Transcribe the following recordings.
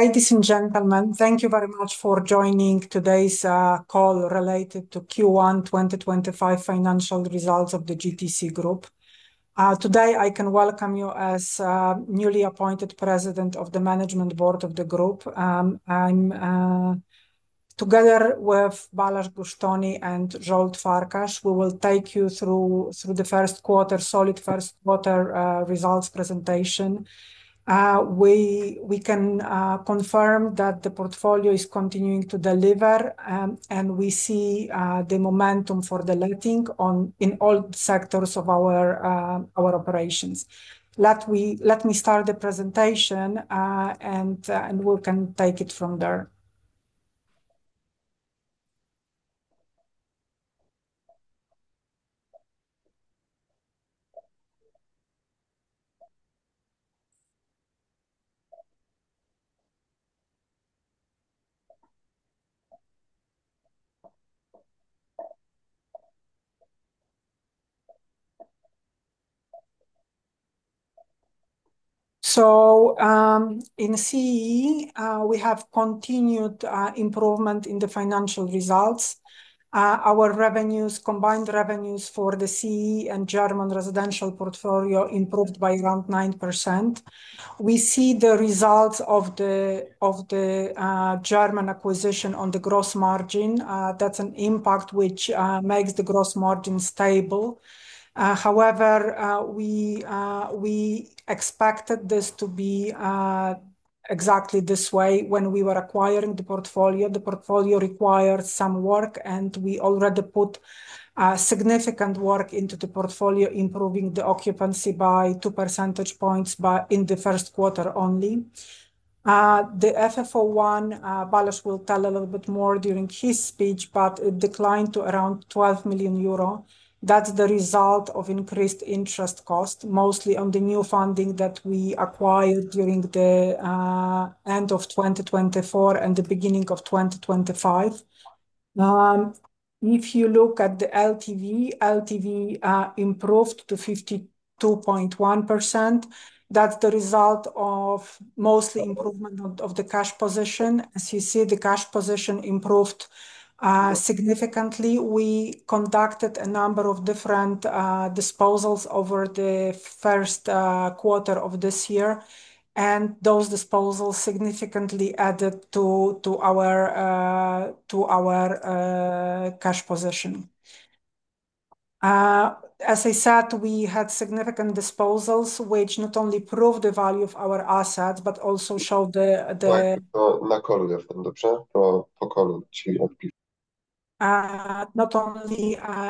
Ladies and gentlemen, thank you very much for joining today's call related to Q1 2025 financial results of the GTC Group. Today I can welcome you as newly appointed President of the Management Board of the Group. I'm together with Balázs Gosztonyi and Zsolt Farkas, we will take you through the first quarter, solid first quarter results presentation. We can confirm that the portfolio is continuing to deliver, and we see the momentum for the letting on, in all sectors of our operations. Let me start the presentation, and we can take it from there. In CEE, we have continued improvement in the financial results. Our revenues, combined revenues for the CEE and German residential portfolio improved by around 9%. We see the results of the German acquisition on the gross margin. That's an impact which makes the gross margin stable. We expected this to be exactly this way when we were acquiring the portfolio. The portfolio required some work, and we already put significant work into the portfolio, improving the occupancy by 2 percentage points in the first quarter only. The FFO I, Balázs will tell a little bit more during his speech, but it declined to around 12 million euro. That's the result of increased interest cost, mostly on the new funding that we acquired during the end of 2024 and the beginning of 2025. If you look at the LTV, LTV improved to 52.1%. That's the result of mostly improvement of the cash position. As you see, the cash position improved significantly. We conducted a number of different disposals over the first quarter of this year, and those disposals significantly added to our cash position. As I said, we had significant disposals which not only proved the value of our assets, but also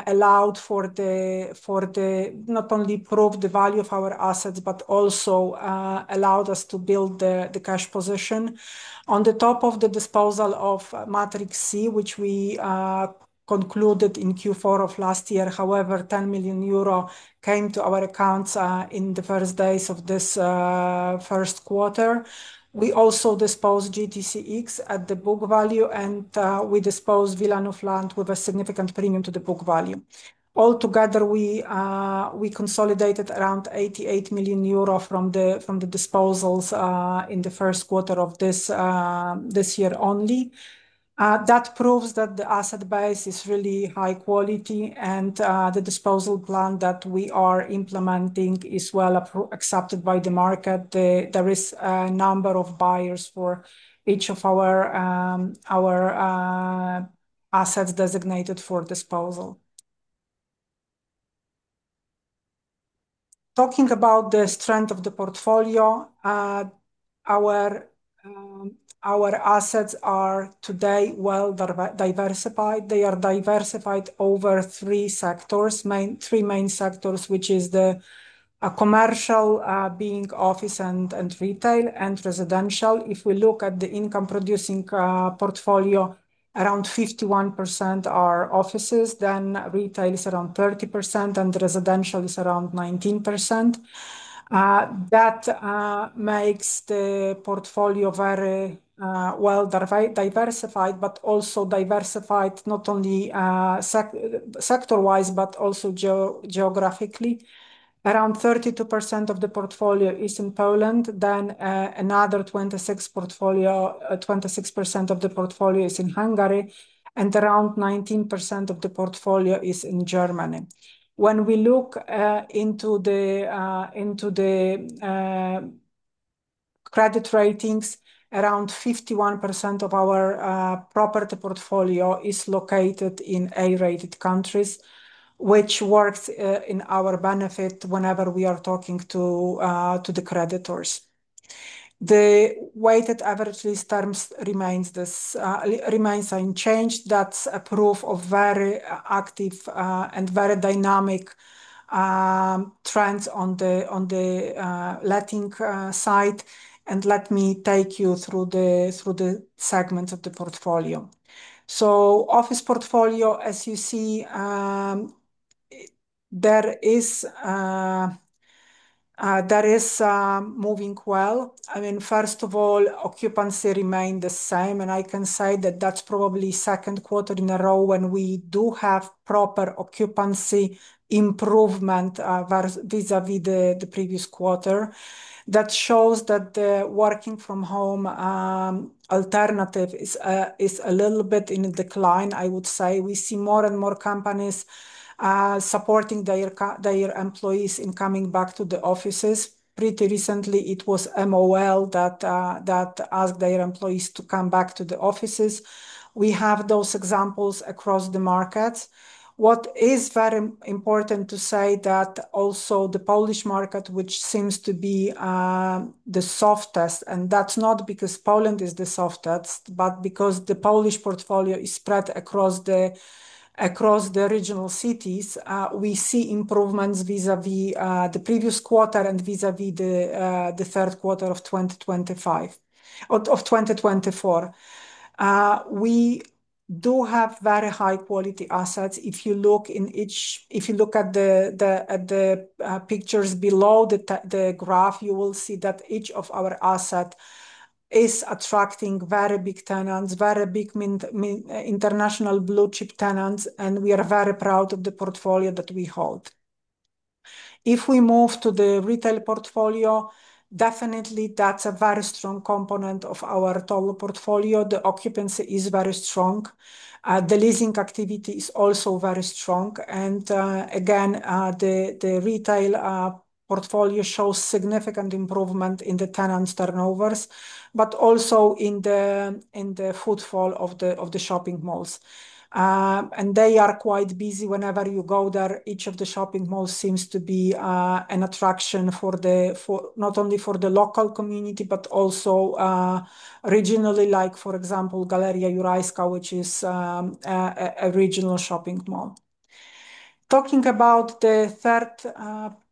allowed us to build the cash position. On the top of the disposal of Matrix C, which we concluded in Q4 of last year, however, 10 million euro came to our accounts in the first days of this first quarter. We also disposed GTC X at the book value, and we disposed Wilanów land with a significant premium to the book value. All together we consolidated around 88 million euro from the disposals in the first quarter of this year only. That proves that the asset base is really high quality and the disposal plan that we are implementing is well accepted by the market. There is a number of buyers for each of our assets designated for disposal. Talking about the strength of the portfolio, our assets are today well diversified. They are diversified over three sectors, three main sectors, which is the Commercial, being Office and Retail and Residential. If we look at the income producing portfolio, around 51% are Offices, then Retail is around 30% and Residential is around 19%. That makes the portfolio very well diversified, but also diversified not only sector-wise, but also geographically. Around 32% of the portfolio is in Poland, then another 26% of the portfolio is in Hungary, and around 19% of the portfolio is in Germany. When we look into the credit ratings, around 51% of our property portfolio is located in A-rated countries, which works in our benefit whenever we are talking to the creditors. The weighted average lease terms remains unchanged. That's a proof of very active and very dynamic trends on the letting side. Let me take you through the segments of the portfolio. Office portfolio, as you see, that is moving well. I mean, first of all, occupancy remained the same, and I can say that that's probably second quarter in a row when we do have proper occupancy improvement vis-à-vis the previous quarter. That shows that the working from home alternative is a little bit in decline, I would say. We see more and more companies supporting their employees in coming back to the offices. Pretty recently, it was MOL that asked their employees to come back to the offices. We have those examples across the markets. What is very important to say that also the Polish market, which seems to be the softest, and that's not because Poland is the softest, but because the Polish portfolio is spread across the regional cities. We see improvements vis-à-vis the previous quarter and vis-à-vis the third quarter of 2024. We do have very high quality assets. If you look at the pictures below the graph, you will see that each of our asset is attracting very big tenants, very big international blue-chip tenants, and we are very proud of the portfolio that we hold. If we move to the Retail portfolio, definitely that's a very strong component of our total portfolio. The occupancy is very strong. The leasing activity is also very strong. Again, the retail portfolio shows significant improvement in the tenants' turnovers, but also in the footfall of the shopping malls. They are quite busy. Whenever you go there, each of the shopping malls seems to be an attraction for not only for the local community, but also regionally, like, for example, Galeria Jurajska, which is a regional shopping mall. Talking about the third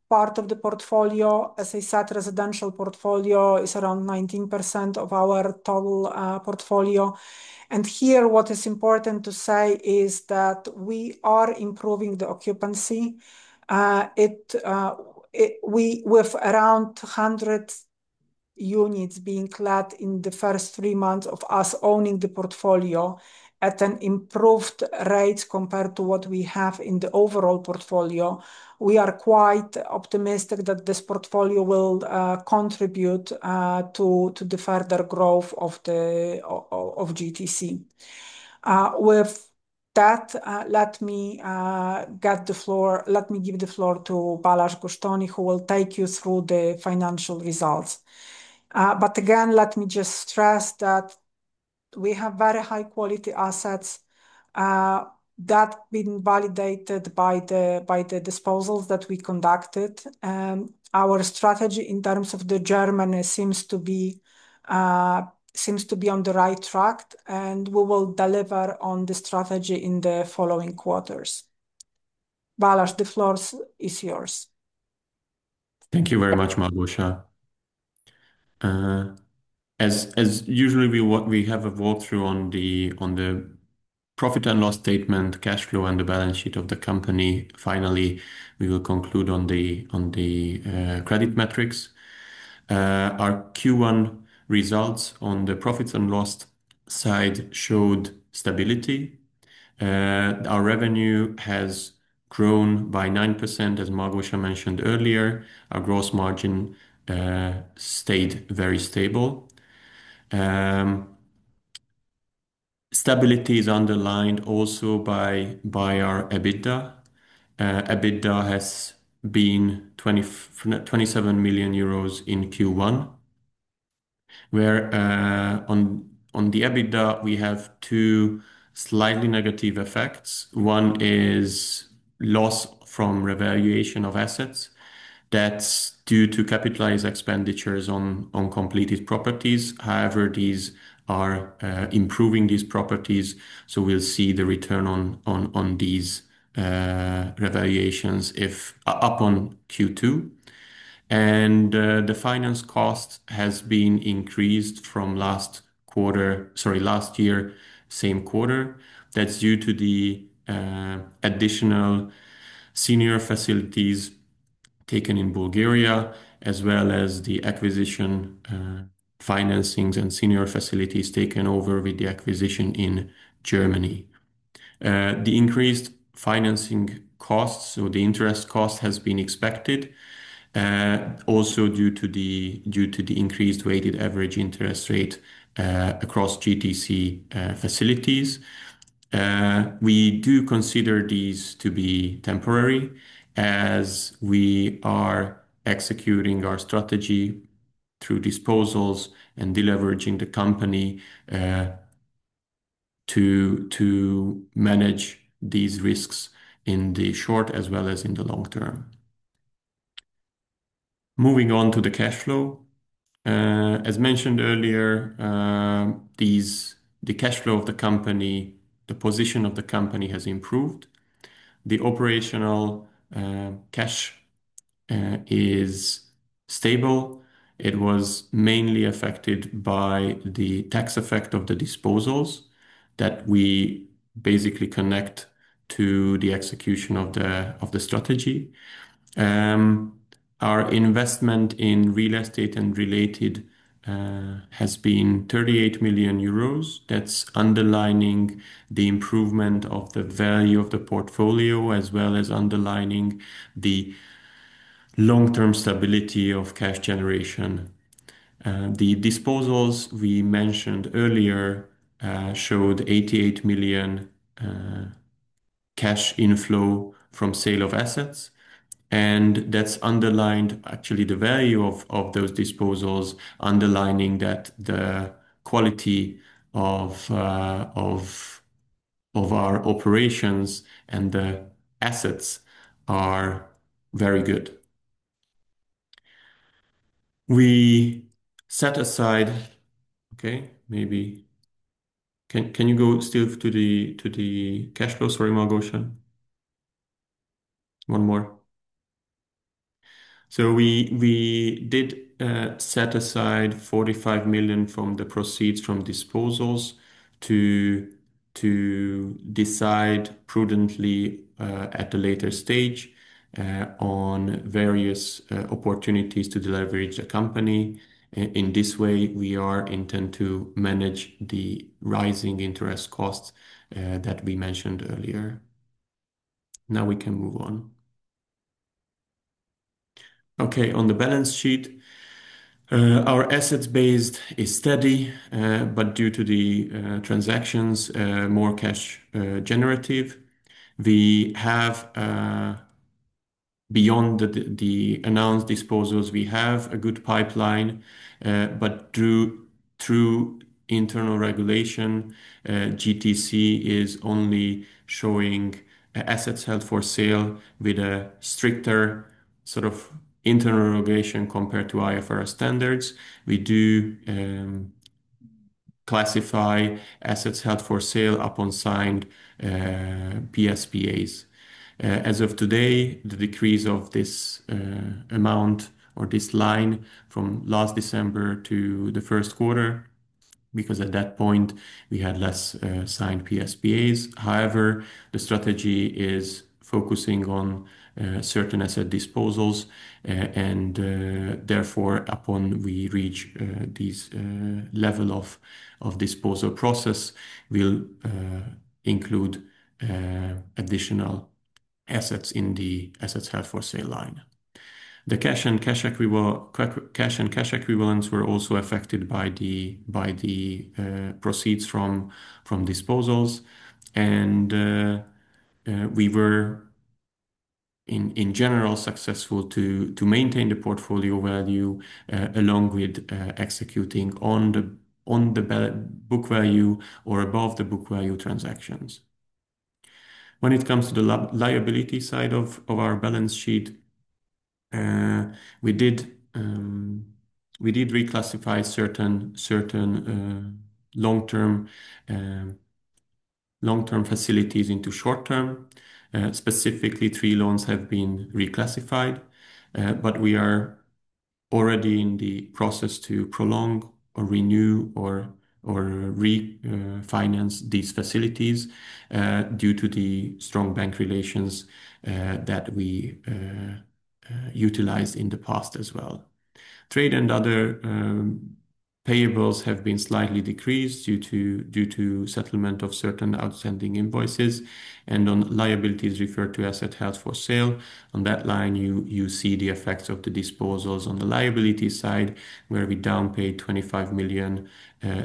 part of the portfolio. As I said, Residential portfolio is around 19% of our total portfolio. Here, what is important to say is that we are improving the occupancy. With around 100 units being let in the first three months of us owning the portfolio at an improved rate compared to what we have in the overall portfolio. We are quite optimistic that this portfolio will contribute to the further growth of GTC. With that, let me give the floor to Balázs Gosztonyi, who will take you through the financial results. Again, let me just stress that we have very high quality assets that been validated by the disposals that we conducted. Our strategy in terms of the journey seems to be on the right track, and we will deliver on the strategy in the following quarters. Balázs, the floors is yours. Thank you very much, Małgosia. As usually we have a walk-through on the profit and loss statement, cash flow and the balance sheet of the company. Finally, we will conclude on the credit metrics. Our Q1 results on the profits and loss side showed stability. Our revenue has grown by 9%, as Małgorzata mentioned earlier. Our gross margin stayed very stable. Stability is underlined also by our EBITDA. EBITDA has been 27 million euros in Q1. Where on the EBITDA, we have two slightly negative effects. One is loss from revaluation of assets. That's due to capitalized expenditures on uncompleted properties. However, these are improving these properties, so we'll see the return on these revaluations up on Q2. The finance cost has been increased from last year, same quarter. That is due to the additional senior facilities taken in Bulgaria as well as the acquisition financings and senior facilities taken over with the acquisition in Germany. The increased financing costs or the interest cost has been expected, also due to the increased weighted average interest rate across GTC facilities. We do consider these to be temporary as we are executing our strategy through disposals and de-leveraging the company, to manage these risks in the short as well as in the long term. Moving on to the cash flow. As mentioned earlier, these the cash flow of the company, the position of the company has improved. The operational, cash is stable. It was mainly affected by the tax effect of the disposals that we basically connect to the execution of the strategy. Our investment in real estate and related has been 38 million euros. That's underlining the improvement of the value of the portfolio, as well as underlining the long-term stability of cash generation. The disposals we mentioned earlier showed 88 million cash inflow from sale of assets, and that's underlined actually the value of those disposals, underlining that the quality of our operations and the assets are very good. We set aside. Okay, maybe can you go still to the cash flow? Sorry, Malgosia. One more. We did set aside 45 million from the proceeds from disposals to decide prudently at a later stage on various opportunities to deleverage the company. In this way, we are intent to manage the rising interest costs that we mentioned earlier. We can move on. Okay. On the balance sheet, our assets base is steady, but due to the transactions, more cash generative. We have, beyond the announced disposals, we have a good pipeline. But through internal regulation, GTC is only showing assets held for sale with a stricter sort of internal regulation compared to IFRS standards. We do classify assets held for sale upon signed PSPAs. As of today, the decrease of this amount or this line from last December to the first quarter, because at that point we had less signed PSPAs. However, the strategy is focusing on certain asset disposals, and therefore upon we reach this level of disposal process, we'll include additional assets in the assets held for sale line. The cash and cash equivalents were also affected by the proceeds from disposals, and we were in general successful to maintain the portfolio value along with executing on the book value or above the book value transactions. When it comes to the liability side of our balance sheet, we did reclassify certain long-term facilities into short-term. Specifically, three loans have been reclassified, we are already in the process to prolong or renew or refinance these facilities due to the strong bank relations that we utilized in the past as well. Trade and other payables have been slightly decreased due to settlement of certain outstanding invoices and on liabilities referred to asset held for sale. On that line, you see the effects of the disposals on the liability side where we down paid 25 million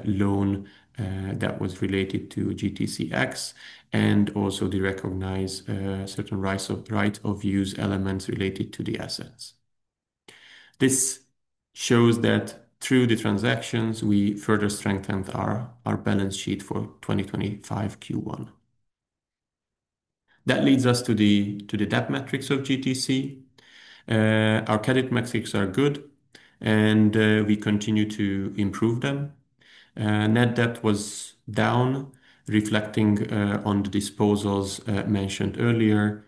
loan that was related to GTC X and also derecognize certain right of use elements related to the assets. This shows that through the transactions we further strengthened our balance sheet for 2025 Q1. That leads us to the debt metrics of GTC. Our credit metrics are good and we continue to improve them. Net debt was down reflecting on the disposals mentioned earlier.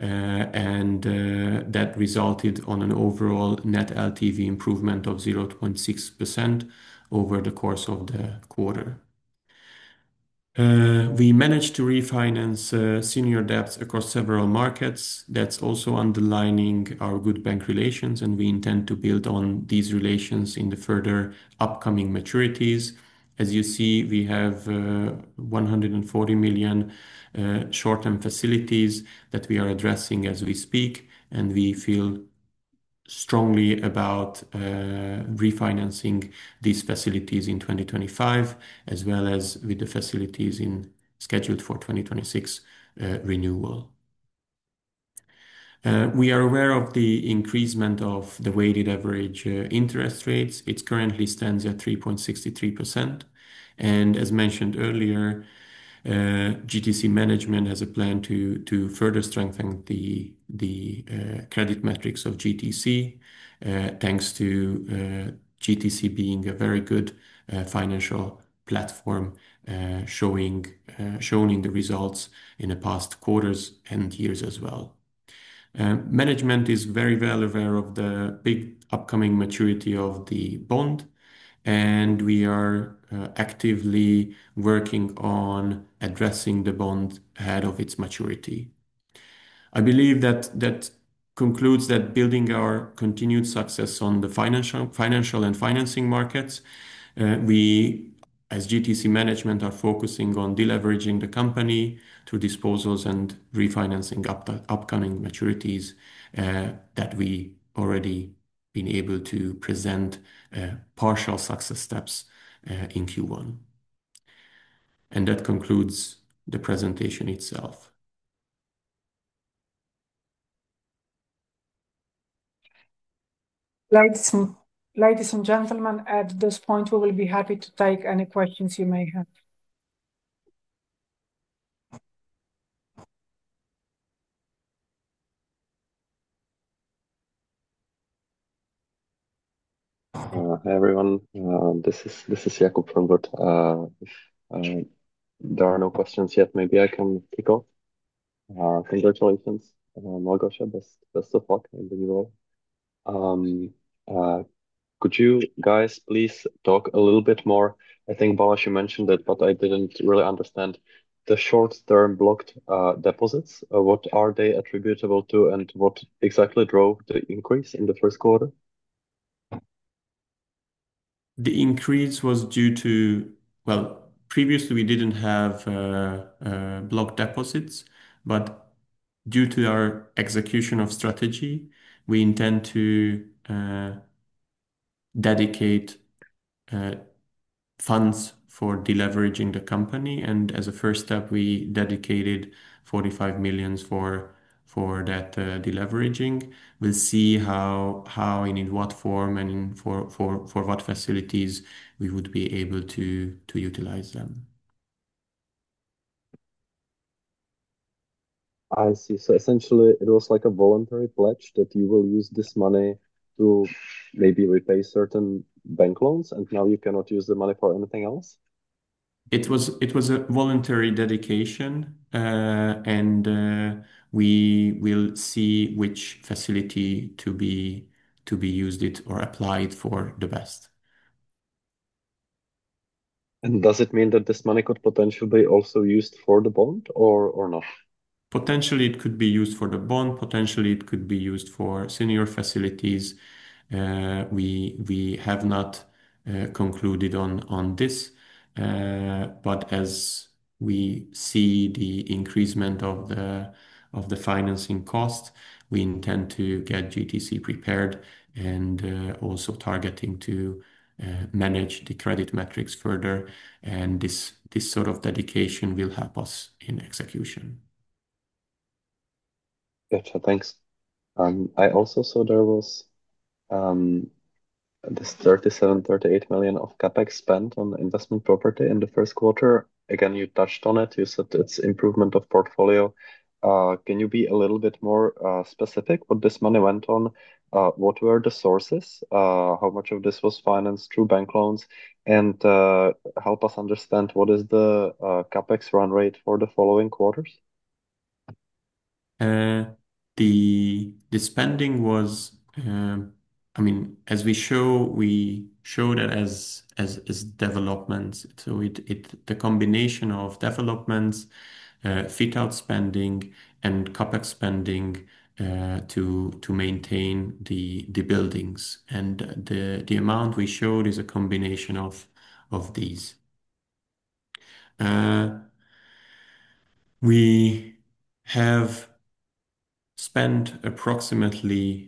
That resulted on an overall net LTV improvement of 0.6% over the course of the quarter. We managed to refinance senior debts across several markets. That's also underlining our good bank relations, and we intend to build on these relations in the further upcoming maturities. As you see, we have 140 million short-term facilities that we are addressing as we speak, and we feel strongly about refinancing these facilities in 2025 as well as with the facilities in scheduled for 2026 renewal. We are aware of the increasement of the weighted average interest rates. It currently stands at 3.63%. As mentioned earlier, GTC management has a plan to further strengthen the credit metrics of GTC, thanks to GTC being a very good financial platform, showing the results in the past quarters and years as well. Management is very well aware of the big upcoming maturity of the bond, and we are actively working on addressing the bond ahead of its maturity. I believe that that concludes that building our continued success on the financial and financing markets. We as GTC management are focusing on de-leveraging the company through disposals and refinancing upcoming maturities, that we already been able to present partial success steps in Q1. That concludes the presentation itself. Ladies and gentlemen, at this point, we will be happy to take any questions you may have. Everyone, this is Jakub from Wood & Company. If there are no questions yet, maybe I can kick off. Congratulations, Malgosia. Best of luck in the new role. Could you guys please talk a little bit more, I think Balázs mentioned it, but I didn't really understand the short-term blocked deposits. What are they attributable to, and what exactly drove the increase in the first quarter? The increase was due to. Well, previously we didn't have blocked deposits, but due to our execution of strategy, we intend to dedicate funds for de-leveraging the company. As a first step, we dedicated 45 million for that de-leveraging. We'll see how and in what form and in what facilities we would be able to utilize them. I see. Essentially, it was like a voluntary pledge that you will use this money to maybe repay certain bank loans, and now you cannot use the money for anything else. It was a voluntary dedication. We will see which facility to be used it or applied for the best. Does it mean that this money could potentially also used for the bond or not? Potentially, it could be used for the bond. Potentially, it could be used for senior facilities. We have not concluded on this. As we see the increasement of the financing cost, we intend to get GTC prepared and also targeting to manage the credit metrics further. This sort of dedication will help us in execution. Gotcha. Thanks. I also saw there was, this 38 million of CapEx spent on investment property in the first quarter. Again, you touched on it. You said it's improvement of portfolio. Can you be a little bit more specific what this money went on? What were the sources? How much of this was financed through bank loans? Help us understand what is the CapEx run rate for the following quarters. The spending was, as we show that as developments. The combination of developments, fit-out spending and CapEx spending to maintain the buildings. The amount we showed is a combination of these. We have spent approximately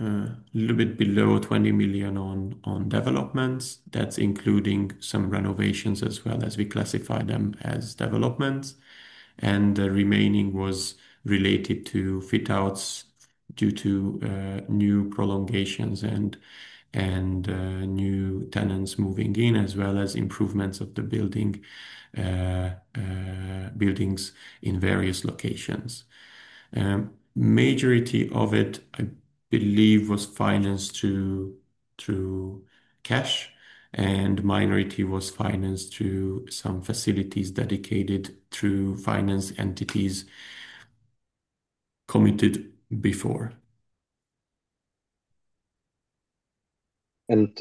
little bit below 20 million on developments. That's including some renovations as well as we classify them as developments. The remaining was related to fit-outs due to new prolongations and new tenants moving in, as well as improvements of the buildings in various locations. Majority of it, I believe, was financed through cash, and minority was financed through some facilities dedicated through finance entities committed before.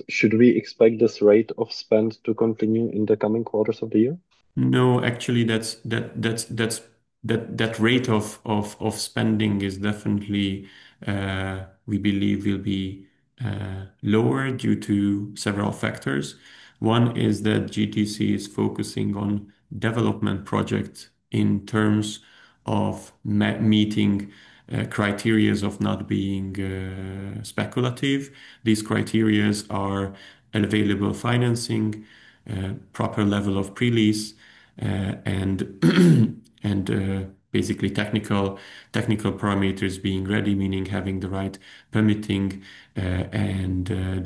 Should we expect this rate of spend to continue in the coming quarters of the year? No, actually, that rate of spending is definitely, we believe will be lower due to several factors. One is that GTC is focusing on development projects in terms of meeting criteria of not being speculative. These criteria are available financing, proper level of pre-lease, and basically technical parameters being ready, meaning having the right permitting.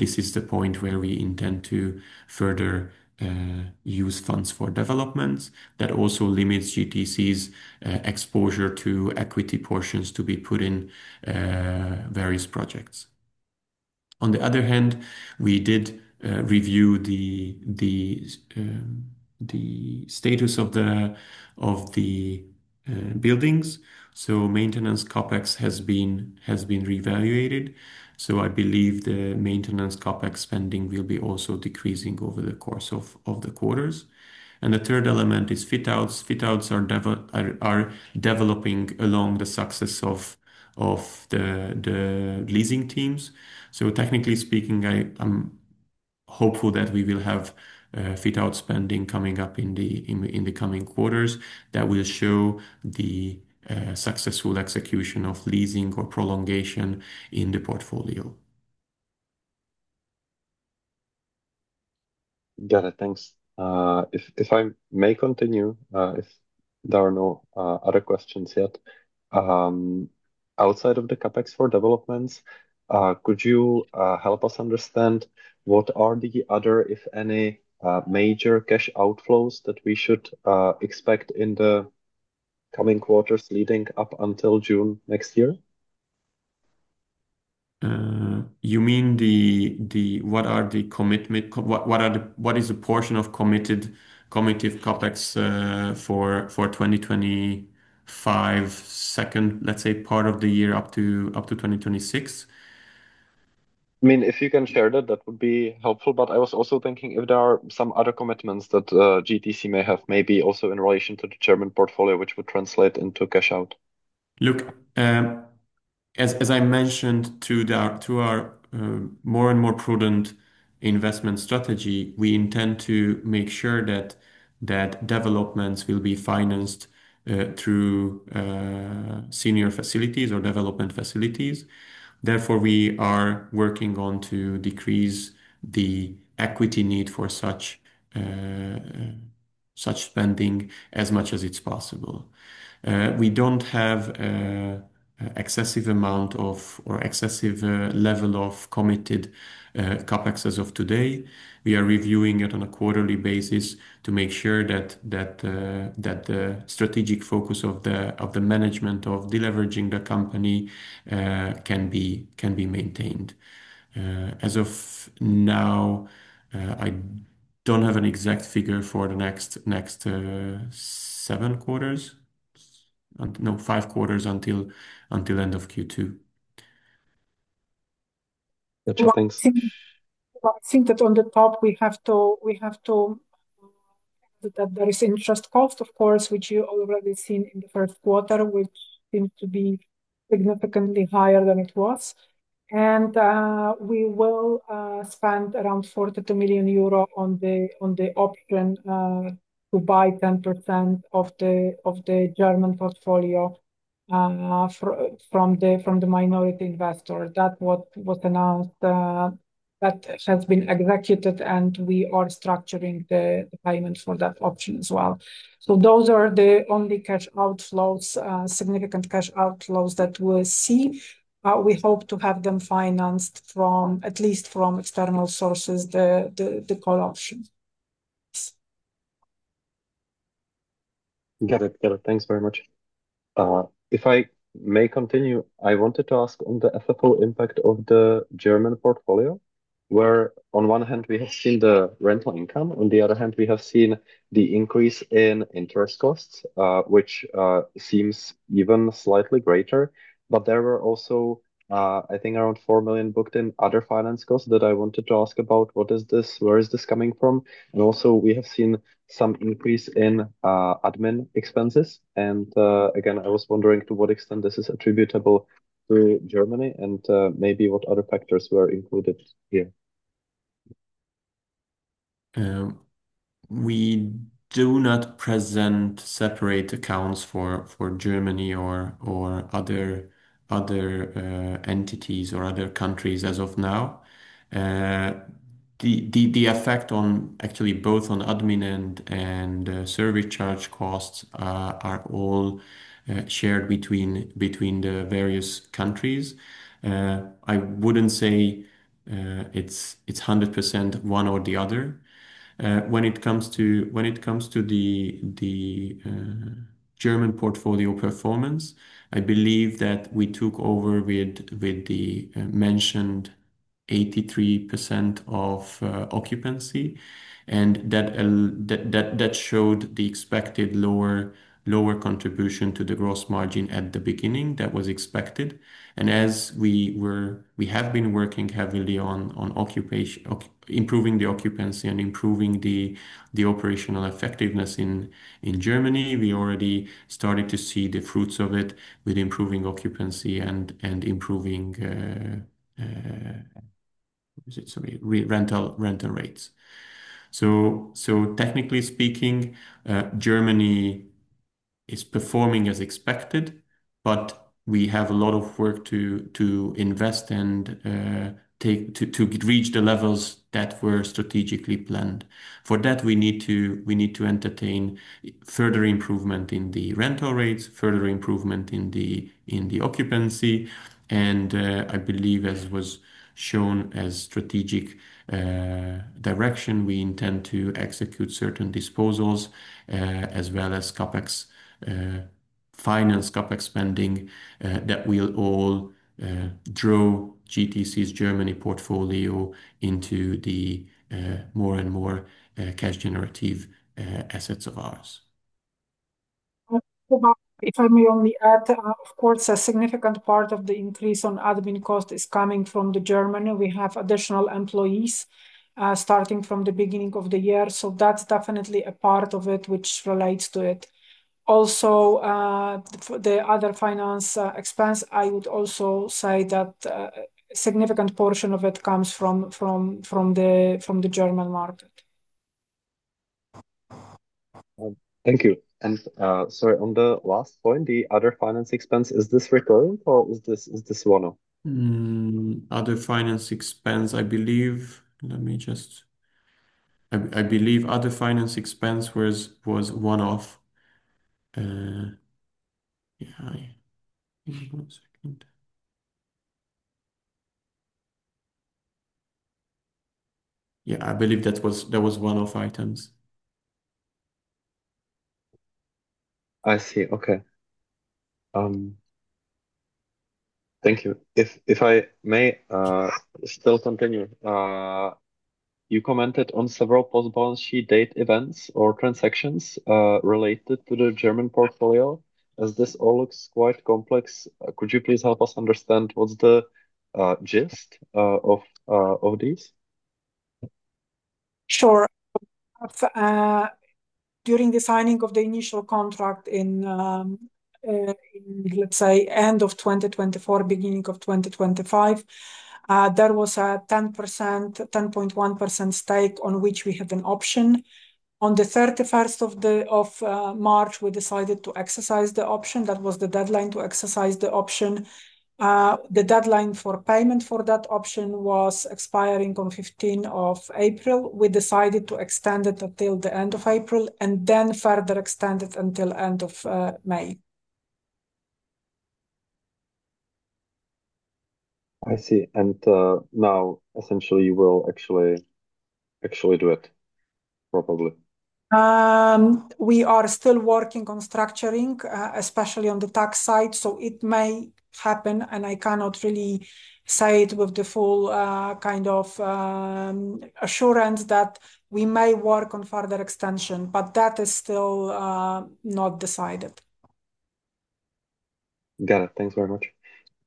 This is the point where we intend to further use funds for developments. That also limits GTC's exposure to equity portions to be put in various projects. On the other hand, we did review the status of the buildings. Maintenance CapEx has been reevaluated. I believe the maintenance CapEx spending will be also decreasing over the course of the quarters. The third element is fit-outs. Fit-outs are developing along the success of the leasing teams. Technically speaking, I'm hopeful that we will have fit-out spending coming up in the coming quarters that will show the successful execution of leasing or prolongation in the portfolio. Got it. Thanks. Uh, if I may continue, uh, if there are no, uh, other questions yet. Um, outside of the CapEx for developments, uh, could you, uh, help us understand what are the other, if any, uh, major cash outflows that we should, uh, expect in the coming quarters leading up until June next year? You mean what is the portion of committed CapEx for 2025, second, let's say, part of the year up to 2026? I mean, if you can share that would be helpful. I was also thinking if there are some other commitments that GTC may have, maybe also in relation to the German portfolio, which would translate into cash out. Look, as I mentioned to our more and more prudent investment strategy, we intend to make sure that developments will be financed through senior facilities or development facilities. Therefore, we are working on to decrease the equity need for such spending as much as it's possible. We don't have excessive amount of or excessive level of committed CapEx as of today. We are reviewing it on a quarterly basis to make sure that the strategic focus of the management of deleveraging the company can be maintained. As of now, I don't have an exact figure for the next seven quarters. No, five quarters until end of Q2. Gotcha. Thanks. I think that on the top we have to that there is interest cost, of course, which you already seen in the first quarter, which seemed to be significantly higher than it was. We will spend around 42 million euro on the option to buy 10% of the German portfolio from the minority investor. That what was announced. That has been executed, and we are structuring the payment for that option as well. Those are the only cash outflows, significant cash outflows that we'll see. We hope to have them financed from, at least from external sources, the call options. Got it. Got it. Thanks very much. If I may continue, I wanted to ask on the FFO impact of the German portfolio, where on one hand we have seen the rental income, on the other hand we have seen the increase in interest costs, which seems even slightly greater. There were also, I think around 4 million booked in other finance costs that I wanted to ask about. What is this? Where is this coming from? Also we have seen some increase in admin expenses. Again, I was wondering to what extent this is attributable to Germany and maybe what other factors were included here. We do not present separate accounts for Germany or other entities or other countries as of now. The effect on actually both on admin and survey charge costs are all shared between the various countries. I wouldn't say it's 100% one or the other. When it comes to the German portfolio performance, I believe that we took over with the mentioned 83% of occupancy and that showed the expected lower contribution to the gross margin at the beginning that was expected. As we have been working heavily on improving the occupancy and improving the operational effectiveness in Germany. We already starting to see the fruits of it with improving occupancy and improving what is it? Sorry. Rental rates. Technically speaking, Germany is performing as expected, but we have a lot of work to invest and to reach the levels that were strategically planned. For that, we need to entertain further improvement in the rental rates, further improvement in the occupancy, and I believe as was shown as strategic direction, we intend to execute certain disposals as well as CapEx, Finance CapEx spending, that will all draw GTC's Germany portfolio into the more and more cash generative assets of ours. If I may only add, of course, a significant part of the increase on admin cost is coming from the Germany. We have additional employees, starting from the beginning of the year. That's definitely a part of it which relates to it. Also, the other finance expense, I would also say that significant portion of it comes from the German market. Thank you. Sorry, on the last point, the other finance expense, is this recurring or is this one-off? Other finance expense, I believe. Let me just. I believe other finance expense was one-off. Yeah. Give me one second. Yeah, I believe that was one-off items. I see. Okay. Thank you. If I may, still continue, you commented on several post balance sheet date events or transactions related to the German portfolio. As this all looks quite complex, could you please help us understand what's the gist of these? Sure. During the signing of the initial contract in, let's say, end of 2024, beginning of 2025, there was a 10%, 10.1% stake on which we have an option. On the 31st of March, we decided to exercise the option. That was the deadline to exercise the option. The deadline for payment for that option was expiring on 15 of April. We decided to extend it until the end of April, then further extend it until end of May. I see. Now, essentially you will actually do it probably. We are still working on structuring, especially on the tax side, so it may happen, and I cannot really say it with the full kind of assurance that we may work on further extension, but that is still not decided. Got it. Thanks very much.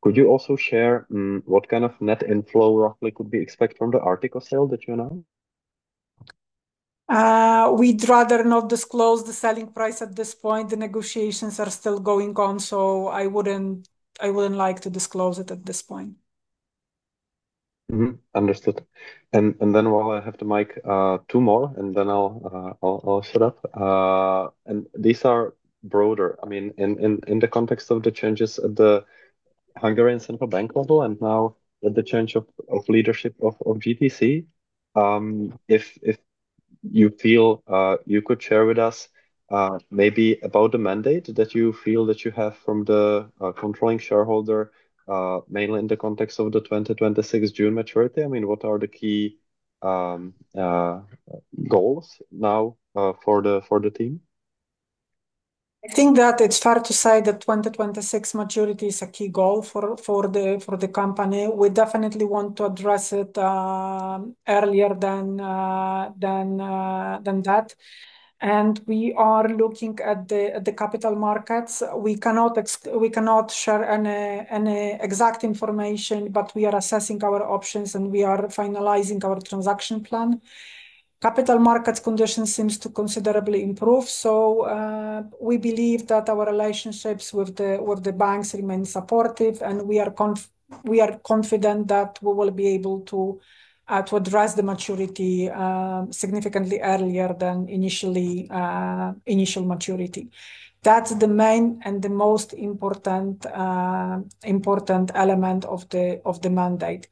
Could you also share, what kind of net inflow roughly could we expect from the Artico sale that you announced? We'd rather not disclose the selling price at this point. The negotiations are still going on, so I wouldn't like to disclose it at this point. Mm-hmm. Understood. Then while I have the mic, two more, and then I'll shut up. These are broader. I mean, in the context of the changes at the Hungarian Central Bank although and now with the change of leadership of GTC, if you feel you could share with us maybe about the mandate that you feel that you have from the controlling shareholder, mainly in the context of the 2026 June maturity. I mean, what are the key goals now for the team? I think that it's fair to say that 2026 maturity is a key goal for the company. We definitely want to address it earlier than that. We are looking at the capital markets. We cannot share any exact information, but we are assessing our options, and we are finalizing our transaction plan. Capital market condition seems to considerably improve, we believe that our relationships with the banks remain supportive, and we are confident that we will be able to address the maturity significantly earlier than initially initial maturity. That's the main and the most important element of the mandate.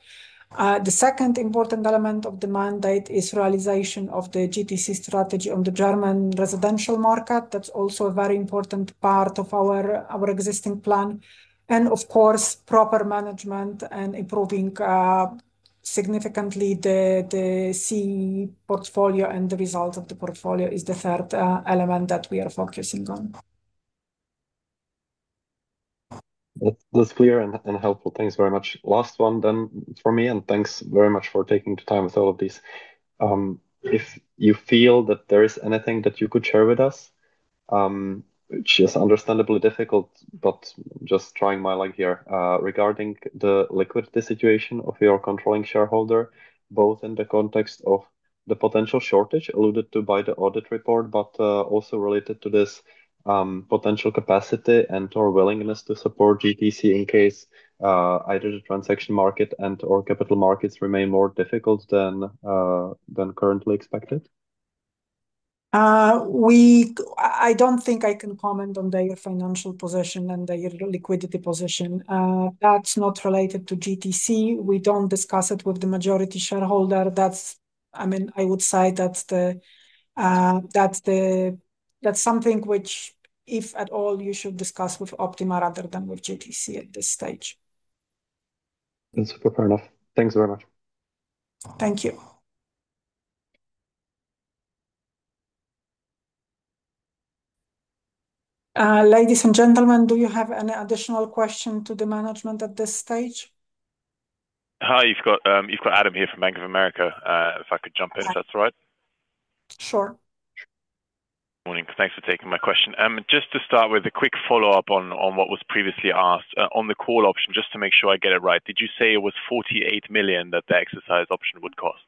The second important element of the mandate is realization of the GTC strategy on the German residential market. That's also a very important part of our existing plan. Of course, proper management and improving significantly the CEE portfolio and the result of the portfolio is the third element that we are focusing on. That's clear and helpful. Thanks very much. Last one then from me, and thanks very much for taking the time with all of these. If you feel that there is anything that you could share with us, which is understandably difficult, but just trying my luck here. Regarding the liquidity situation of your controlling shareholder, both in the context of the potential shortage alluded to by the audit report, but also related to this potential capacity and/or willingness to support GTC in case either the transaction market and/or capital markets remain more difficult than currently expected. I don't think I can comment on their financial position and their liquidity position. That's not related to GTC. We don't discuss it with the majority shareholder. I mean, I would say that's something which, if at all, you should discuss with Optima rather than with GTC at this stage. That's super fair enough. Thanks very much. Thank you. Ladies and gentlemen, do you have any additional question to the management at this stage? Hi, you've got Adam here from Bank of America. If I could jump in. Hi if that's all right. Sure. Morning. Thanks for taking my question. Just to start with a quick follow-up on what was previously asked. On the call option, just to make sure I get it right, did you say it was 48 million that the exercise option would cost?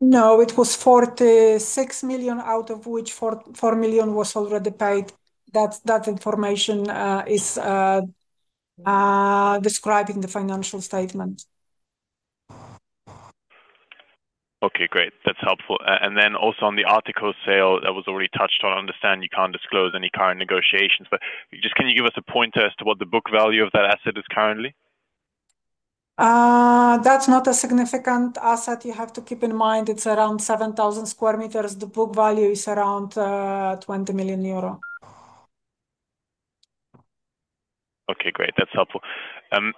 No, it was 46 million, out of which 4 million was already paid. That information is describing the financial statement. Okay, great. That's helpful. Also on the Artico sale that was already touched on. I understand you can't disclose any current negotiations, just can you give us a pointer as to what the book value of that asset is currently? That's not a significant asset. You have to keep in mind it's around 7,000 square meters. The book value is around 20 million euro. Okay, great. That's helpful.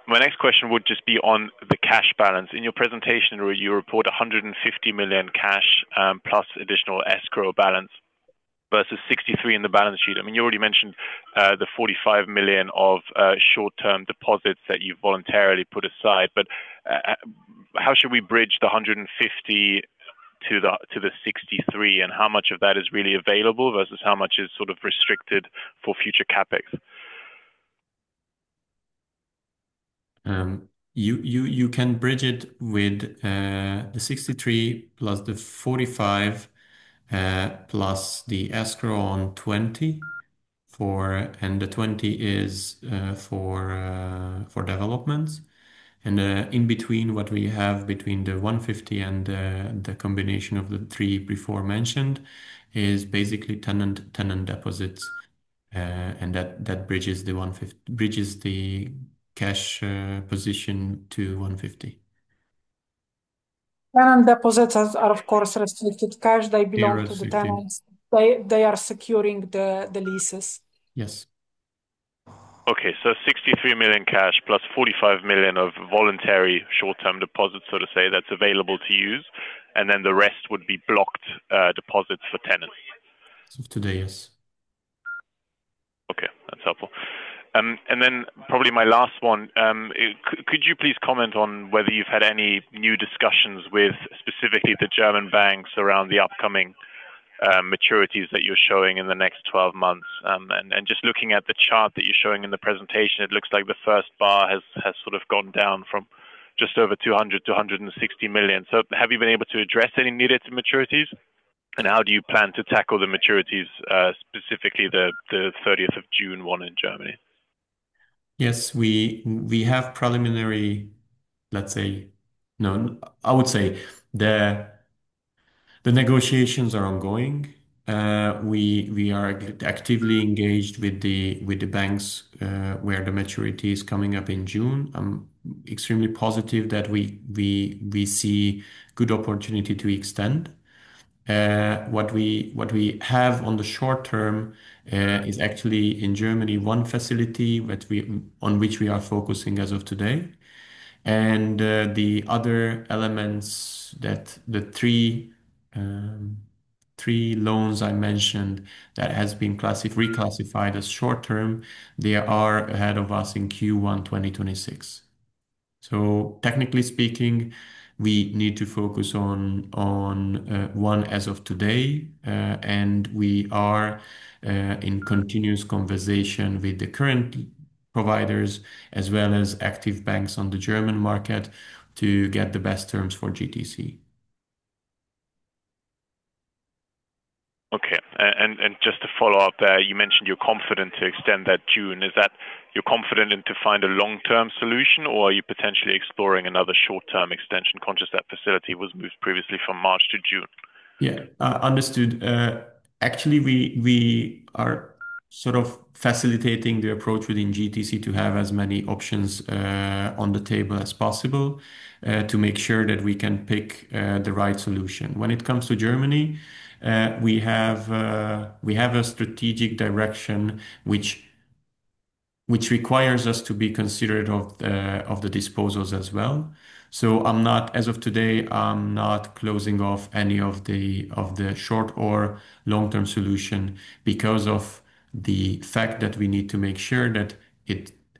My next question would just be on the cash balance. In your presentation where you report 150 million cash, plus additional escrow balance versus 63 million in the balance sheet. I mean, you already mentioned the 45 million of short-term deposits that you've voluntarily put aside. How should we bridge the 150 million to the 63 million, and how much of that is really available versus how much is sort of restricted for future CapEx? You can bridge it with the 63 million plus the 45 million plus the escrow on 20 million for developments. In between what we have between the 150 million and the combination of the three before mentioned is basically tenant deposits. That bridges the cash position to 150 million. Tenant deposits are of course restricted cash. They are restricted. To the tenants. They are securing the leases. Yes. Okay. 63 million cash plus 45 million of voluntary short-term deposits, so to say, that's available to use, and then the rest would be blocked, deposits for tenants. As of today, yes. Okay. That's helpful. Probably my last one. Could you please comment on whether you've had any new discussions with specifically the German banks around the upcoming maturities that you're showing in the next 12 months? Just looking at the chart that you're showing in the presentation, it looks like the first bar has sort of gone down from just over 200 million to 160 million. Have you been able to address any immediate maturities? How do you plan to tackle the maturities, specifically the 30th of June one in Germany? Yes. Negotiations are ongoing. We are actively engaged with the banks where the maturity is coming up in June. I'm extremely positive that we see good opportunity to extend. What we have on the short term is actually in Germany, one facility on which we are focusing as of today. The other elements that the three loans I mentioned that has been reclassified as short-term, they are ahead of us in Q1 2026. Technically speaking, we need to focus on one as of today. We are in continuous conversation with the current providers as well as active banks on the German market to get the best terms for GTC. Okay. Just to follow up there, you mentioned you're confident to extend that June. Is that you're confident in to find a long-term solution, or are you potentially exploring another short-term extension, conscious that facility was moved previously from March to June? Understood. Actually, we are sort of facilitating the approach within GTC to have as many options on the table as possible to make sure that we can pick the right solution. When it comes to Germany, we have a strategic direction which requires us to be considerate of the disposals as well. I'm not, as of today, I'm not closing off any of the short or long-term solution because of the fact that we need to make sure that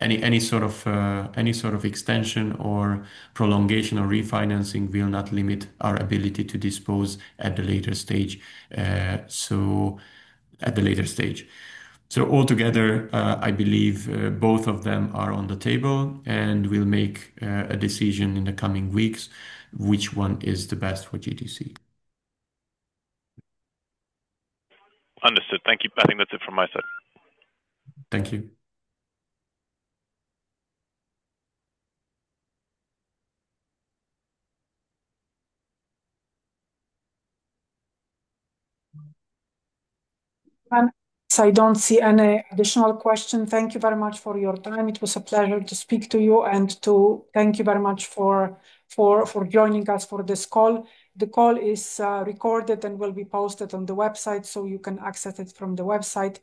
any sort of extension or prolongation or refinancing will not limit our ability to dispose at a later stage. At a later stage. Altogether, I believe, both of them are on the table, and we'll make a decision in the coming weeks which one is the best for GTC. Understood. Thank you. I think that's it from my side. Thank you. I don't see any additional question. Thank you very much for your time. It was a pleasure to speak to you and to thank you very much for joining us for this call. The call is recorded and will be posted on the website, you can access it from the website.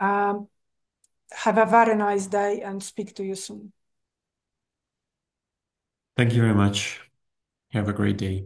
Have a very nice day, speak to you soon. Thank you very much. Have a great day.